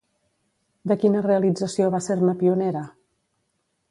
De quina realització va ser-ne pionera?